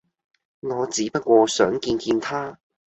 我只不過想見見她